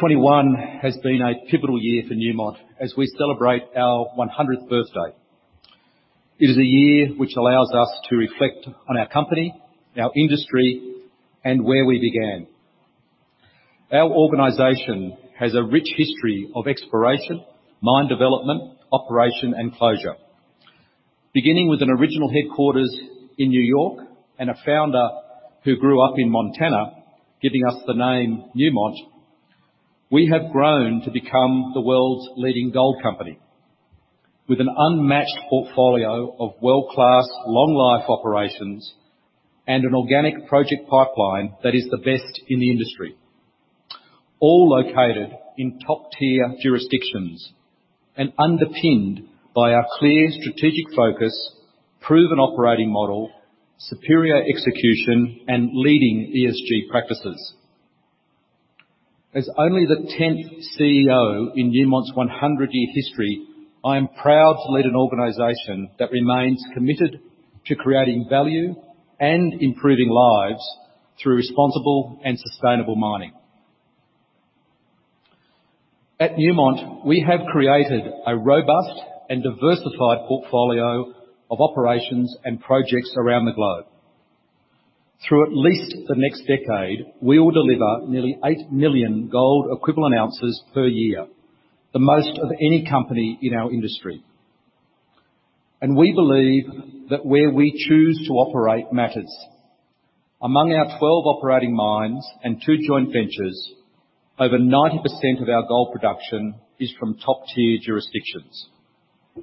2021 has been a pivotal year for Newmont as we celebrate our 100th birthday. It is a year which allows us to reflect on our company, our industry, and where we began. Our organization has a rich history of exploration, mine development, operation, and closure. Beginning with an original headquarters in New York and a founder who grew up in Montana, giving us the name Newmont, we have grown to become the world's leading gold company with an unmatched portfolio of world-class long-life operations and an organic project pipeline that is the best in the industry, all located in top-tier jurisdictions and underpinned by our clear strategic focus, proven operating model, superior execution, and leading ESG practices. As only the 10th CEO in Newmont's 100-year history, I am proud to lead an organization that remains committed to creating value and improving lives through responsible and sustainable mining. At Newmont, we have created a robust and diversified portfolio of operations and projects around the globe. Through at least the next decade, we will deliver nearly 8 million gold equivalent ounces per year, the most of any company in our industry. We believe that where we choose to operate matters. Among our 12 operating mines and two joint ventures, over 90% of our gold production is from top-tier jurisdictions,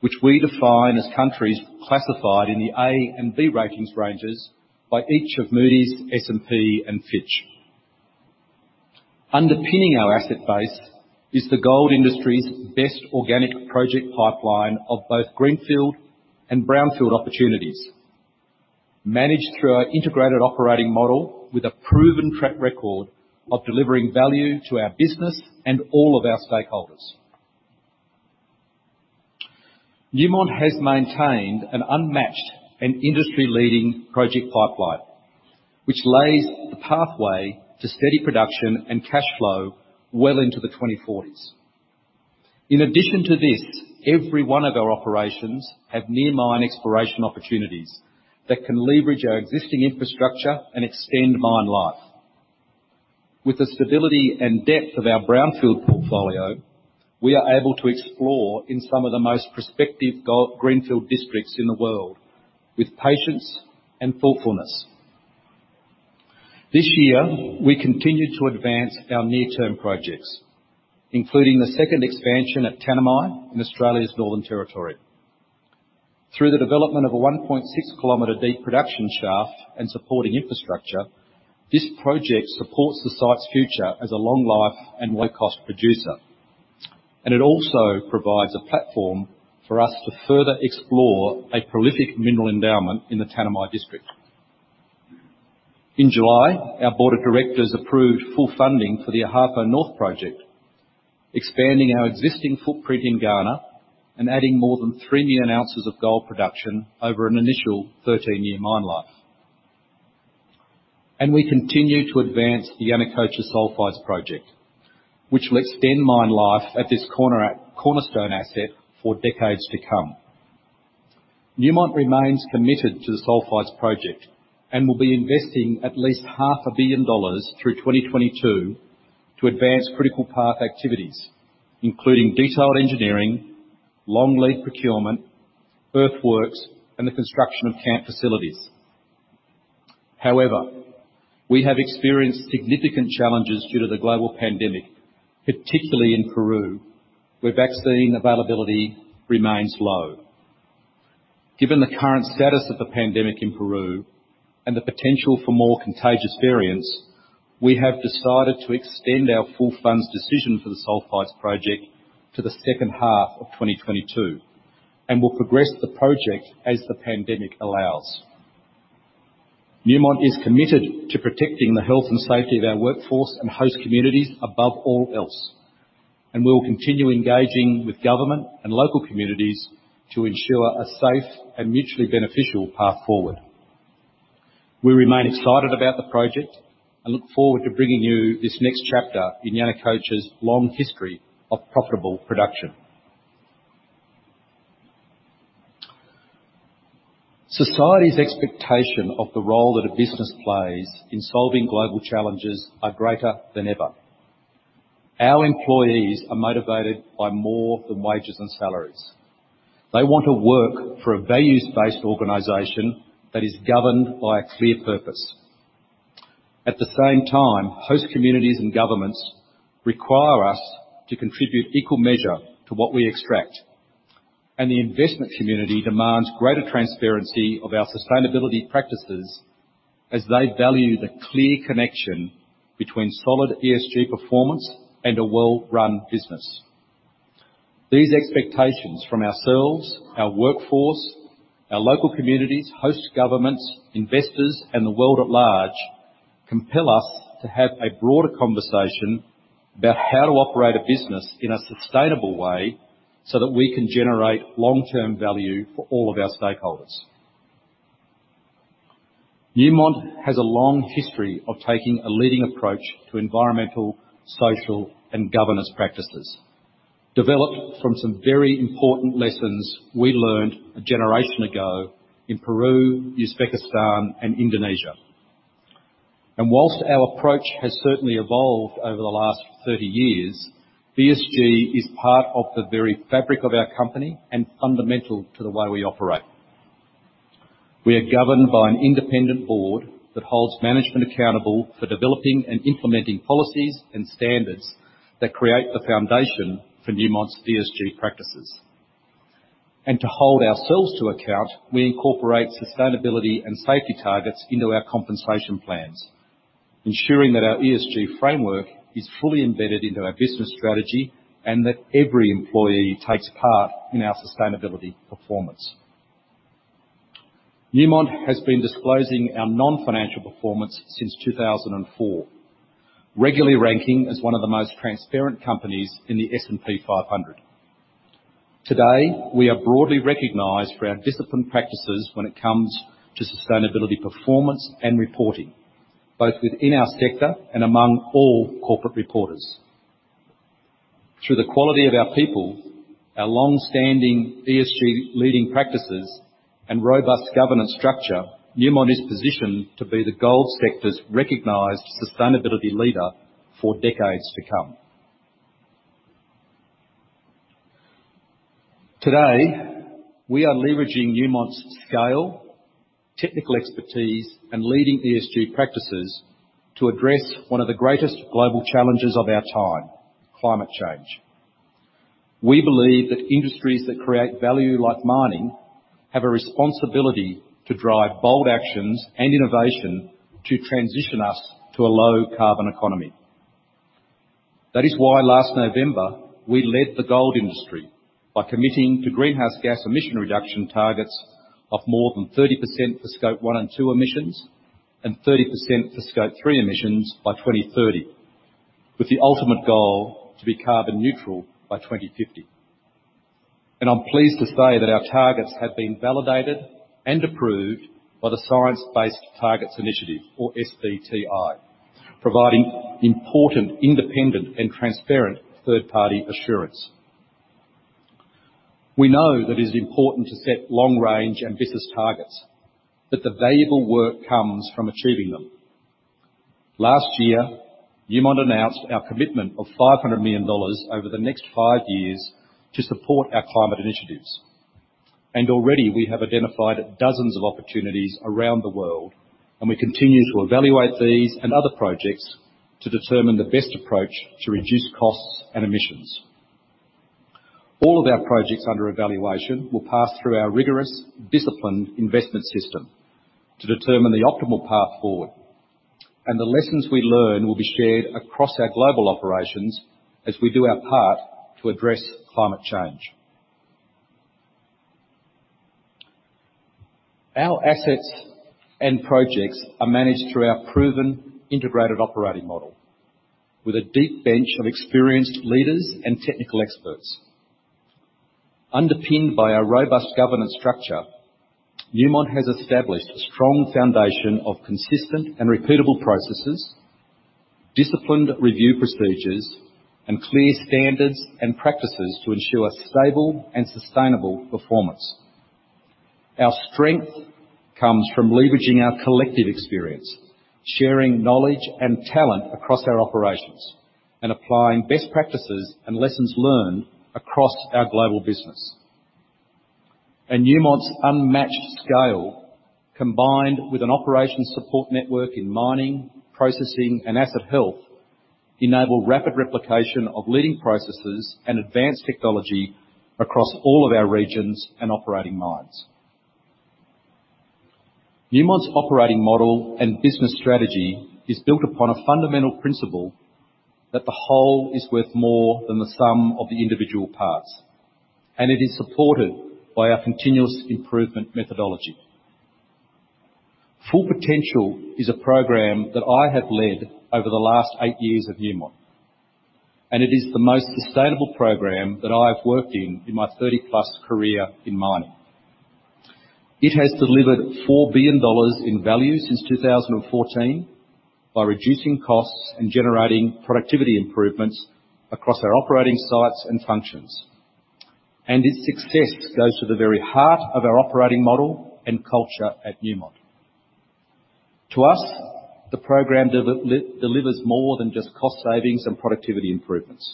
which we define as countries classified in the A and B ratings ranges by each of Moody's, S&P, and Fitch. Underpinning our asset base is the gold industry's best organic project pipeline of both greenfield and brownfield opportunities managed through our integrated operating model with a proven track record of delivering value to our business and all of our stakeholders. Newmont has maintained an unmatched and industry-leading project pipeline, which lays the pathway to steady production and cash flow well into the 2040s. In addition to this, every one of our operations have near mine exploration opportunities that can leverage our existing infrastructure and extend mine life. With the stability and depth of our brownfield portfolio, we are able to explore in some of the most prospective gold greenfield districts in the world with patience and thoughtfulness. This year, we continued to advance our near-term projects, including the second expansion at Tanami in Australia's Northern Territory. Through the development of a 1.6 km deep production shaft and supporting infrastructure, this project supports the site's future as a long life and low-cost producer, and it also provides a platform for us to further explore a prolific mineral endowment in the Tanami district. In July, our board of directors approved full funding for the Ahafo North Project, expanding our existing footprint in Ghana and adding more than 3 million ounces of gold production over an initial 13-year mine life. We continue to advance the Yanacocha Sulfides Project, which will extend mine life at this cornerstone asset for decades to come. Newmont remains committed to the Sulfides Project and will be investing at least half a billion dollars through 2022 to advance critical path activities, including detailed engineering, long lead procurement, earthworks, and the construction of camp facilities. However, we have experienced significant challenges due to the global pandemic, particularly in Peru, where vaccine availability remains low. Given the current status of the pandemic in Peru and the potential for more contagious variants, we have decided to extend our full funds decision for the Sulfides Project to the second half of 2022 and will progress the project as the pandemic allows. Newmont is committed to protecting the health and safety of our workforce and host communities above all else, and we will continue engaging with government and local communities to ensure a safe and mutually beneficial path forward. We remain excited about the project and look forward to bringing you this next chapter in Yanacocha's long history of profitable production. Society's expectation of the role that a business plays in solving global challenges are greater than ever. Our employees are motivated by more than wages and salaries. They want to work for a values-based organization that is governed by a clear purpose. At the same time, host communities and governments require us to contribute equal measure to what we extract. The investment community demands greater transparency of our sustainability practices as they value the clear connection between solid ESG performance and a well-run business. These expectations from ourselves, our workforce, our local communities, host governments, investors, and the world at large compel us to have a broader conversation about how to operate a business in a sustainable way so that we can generate long-term value for all of our stakeholders. Newmont has a long history of taking a leading approach to environmental, social, and governance practices, developed from some very important lessons we learned a generation ago in Peru, Uzbekistan, and Indonesia. Whilst our approach has certainly evolved over the last 30 years, ESG is part of the very fabric of our company and fundamental to the way we operate. We are governed by an independent board that holds management accountable for developing and implementing policies and standards that create the foundation for Newmont's ESG practices. To hold ourselves to account, we incorporate sustainability and safety targets into our compensation plans, ensuring that our ESG framework is fully embedded into our business strategy and that every employee takes part in our sustainability performance. Newmont has been disclosing our non-financial performance since 2004, regularly ranking as 1 of the most transparent companies in the S&P 500. Today, we are broadly recognized for our disciplined practices when it comes to sustainability performance and reporting, both within our sector and among all corporate reporters. Through the quality of our people, our longstanding ESG leading practices, and robust governance structure, Newmont is positioned to be the gold sector's recognized sustainability leader for decades to come. Today, we are leveraging Newmont's scale, technical expertise, and leading ESG practices to address one of the greatest global challenges of our time: climate change. We believe that industries that create value like mining have a responsibility to drive bold actions and innovation to transition us to a low-carbon economy. That is why last November, we led the gold industry by committing to greenhouse gas emission reduction targets of more than 30% for Scope 1 and 2 emissions and 30% for Scope 3 emissions by 2030, with the ultimate goal to be carbon neutral by 2050. I'm pleased to say that our targets have been validated and approved by the Science-Based Targets initiative, or SBTI, providing important, independent, and transparent third-party assurance. We know that it is important to set long-range ambitious targets, but the valuable work comes from achieving them. Last year, Newmont announced our commitment of $500 million over the next five years to support our climate initiatives. Already, we have identified dozens of opportunities around the world, and we continue to evaluate these and other projects to determine the best approach to reduce costs and emissions. All of our projects under evaluation will pass through our rigorous, disciplined investment system to determine the optimal path forward. The lessons we learn will be shared across our global operations as we do our part to address climate change. Our assets and projects are managed through our proven integrated operating model with a deep bench of experienced leaders and technical experts. Underpinned by a robust governance structure, Newmont has established a strong foundation of consistent and repeatable processes, disciplined review procedures, and clear standards and practices to ensure a stable and sustainable performance. Our strength comes from leveraging our collective experience, sharing knowledge and talent across our operations, and applying best practices and lessons learned across our global business. Newmont's unmatched scale, combined with an operations support network in mining, processing, and asset health, enable rapid replication of leading processes and advanced technology across all of our regions and operating mines. Newmont's operating model and business strategy is built upon a fundamental principle that the whole is worth more than the sum of the individual parts, and it is supported by our continuous improvement methodology. Full Potential is a program that I have led over the last eight years at Newmont, and it is the most sustainable program that I have worked in in my 30-plus career in mining. It has delivered $4 billion in value since 2014 by reducing costs and generating productivity improvements across our operating sites and functions. Its success goes to the very heart of our operating model and culture at Newmont. To us, the program delivers more than just cost savings and productivity improvements.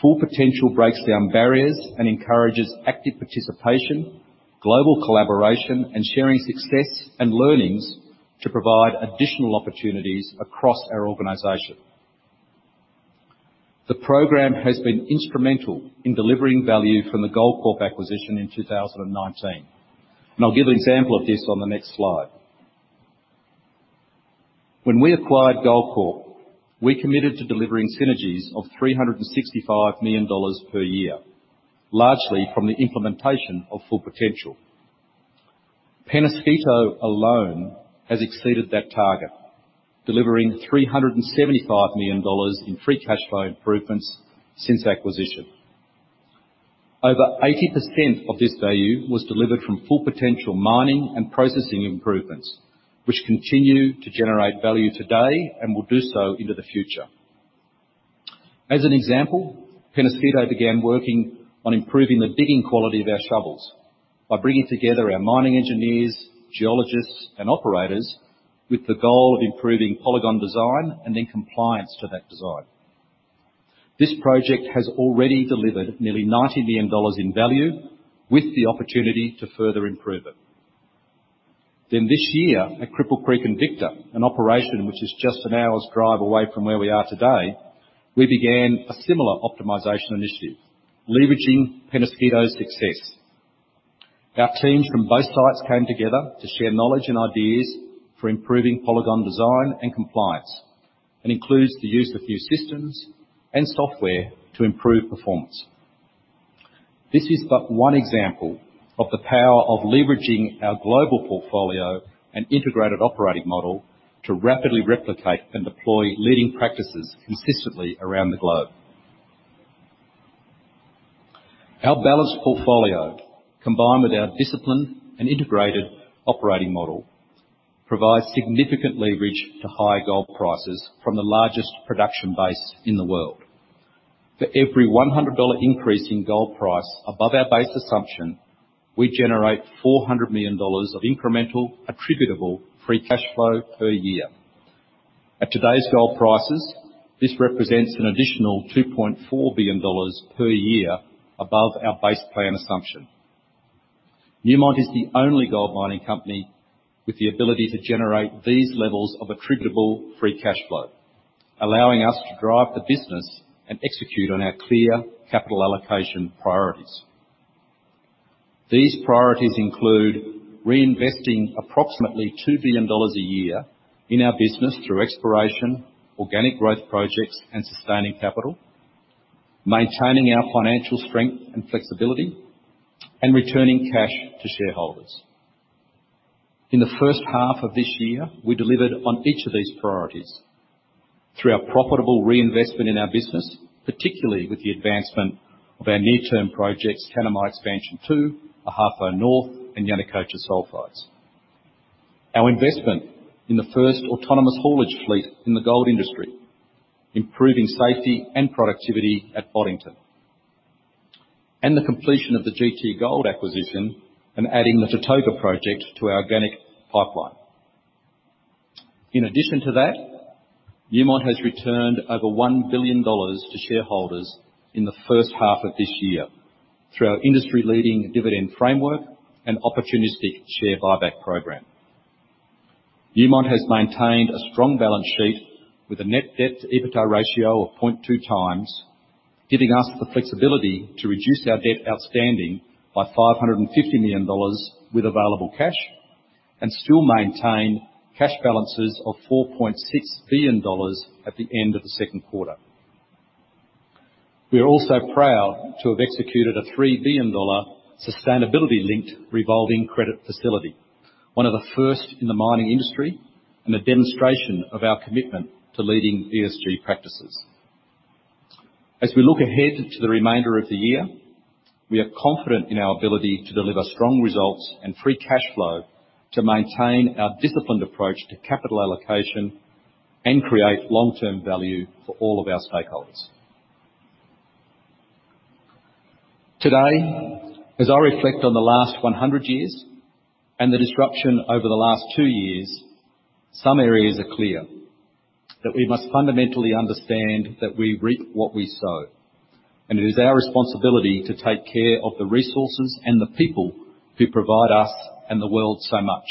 Full Potential breaks down barriers and encourages active participation, global collaboration, and sharing success and learnings to provide additional opportunities across our organization. The program has been instrumental in delivering value from the Goldcorp acquisition in 2019. I'll give an example of this on the next slide. When we acquired Goldcorp, we committed to delivering synergies of $365 million per year, largely from the implementation of Full Potential. Penasquito alone has exceeded that target, delivering $375 million in free cash flow improvements since acquisition. Over 80% of this value was delivered from Full Potential mining and processing improvements, which continue to generate value today and will do so into the future. As an example, Penasquito began working on improving the digging quality of our shovels by bringing together our mining engineers, geologists, and operators with the goal of improving polygon design and then compliance to that design. This project has already delivered nearly $90 million in value with the opportunity to further improve it. This year at Cripple Creek and Victor, an operation which is just an hour's drive away from where we are today, we began a similar optimization initiative leveraging Penasquito's success. Our teams from both sites came together to share knowledge and ideas for improving polygon design and compliance, and includes the use of new systems and software to improve performance. This is but one example of the power of leveraging our global portfolio and integrated operating model to rapidly replicate and deploy leading practices consistently around the globe. Our balanced portfolio, combined with our discipline and integrated operating model, provides significant leverage to high gold prices from the largest production base in the world. For every $100 increase in gold price above our base assumption, we generate $400 million of incremental attributable free cash flow per year. At today's gold prices, this represents an additional $2.4 billion per year above our base plan assumption. Newmont is the only gold mining company with the ability to generate these levels of attributable free cash flow, allowing us to drive the business and execute on our clear capital allocation priorities. These priorities include reinvesting approximately $2 billion a year in our business through exploration, organic growth projects, and sustaining capital, maintaining our financial strength and flexibility, and returning cash to shareholders. In the first half of this year, we delivered on each of these priorities through our profitable reinvestment in our business, particularly with the advancement of our near-term projects, Tanami Expansion 2, Ahafo North, and Yanacocha Sulfides, our investment in the first autonomous haulage fleet in the gold industry, improving safety and productivity at Boddington, the completion of the GT Gold acquisition, and adding the Tatogga project to our organic pipeline. In addition to that, Newmont has returned over $1 billion to shareholders in the first half of this year through our industry-leading dividend framework and opportunistic share buyback program. Newmont has maintained a strong balance sheet with a net debt-to-EBITDA ratio of 0.2 times, giving us the flexibility to reduce our debt outstanding by $550 million with available cash and still maintain cash balances of $4.6 billion at the end of the second quarter. We are also proud to have executed a $3 billion sustainability-linked revolving credit facility, one of the first in the mining industry and a demonstration of our commitment to leading ESG practices. As we look ahead to the remainder of the year, we are confident in our ability to deliver strong results and free cash flow to maintain our disciplined approach to capital allocation and create long-term value for all of our stakeholders. Today, as I reflect on the last 100 years and the disruption over the last two years, some areas are clear. That we must fundamentally understand that we reap what we sow, and it is our responsibility to take care of the resources and the people who provide us and the world so much.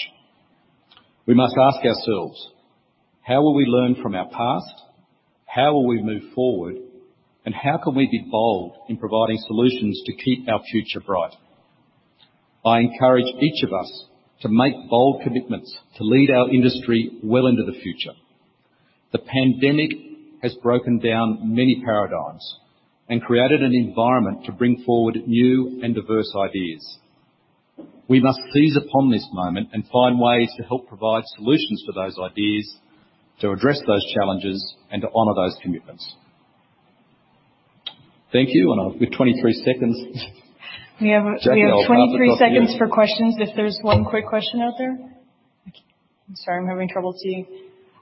We must ask ourselves, how will we learn from our past? How will we move forward? How can we be bold in providing solutions to keep our future bright? I encourage each of us to make bold commitments to lead our industry well into the future. The pandemic has broken down many paradigms and created an environment to bring forward new and diverse ideas. We must seize upon this moment and find ways to help provide solutions for those ideas, to address those challenges, and to honor those commitments. Thank you. With 23 seconds... We have... Jackie, I'll pass back to you. We have 23 seconds for questions if there's one quick question out there? I'm sorry, I'm having trouble seeing.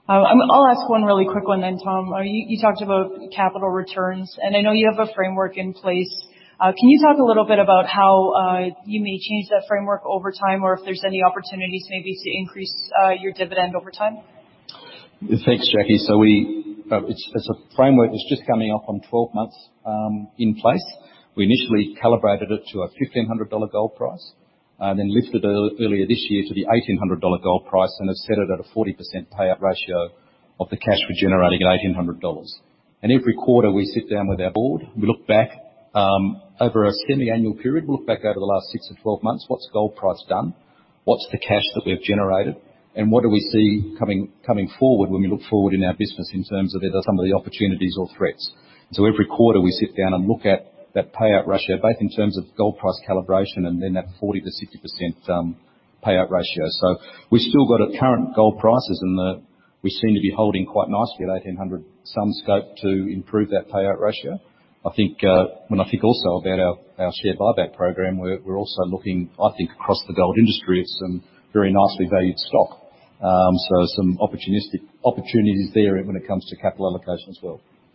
I'll ask one really quick one then, Tom. You talked about capital returns. I know you have a framework in place. Can you talk a little bit about how you may change that framework over time or if there's any opportunities maybe to increase your dividend over time? Thanks, Jackie. We it's a framework that's just coming up on 12 months in place. We initially calibrated it to a $1,500 gold price, then lifted earlier this year to the $1,800 gold price and have set it at a 40% payout ratio of the cash we're generating at $1,800. Every quarter we sit down with our board, we look back over a semi-annual period. We look back over the last six to 12 months. What's gold price done? What's the cash that we have generated? What do we see coming forward when we look forward in our business in terms of either some of the opportunities or threats? Every quarter we sit down and look at that payout ratio, both in terms of gold price calibration and then that 40%-60% payout ratio. We've still got at current gold prices, we seem to be holding quite nicely at $1,800, some scope to improve that payout ratio. I think, when I think also about our share buyback program, we're also looking, I think across the gold industry at some very nicely valued stock. Some opportunistic opportunities there when it comes to capital allocation as well.